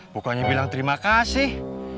bukannya bilang terima kasih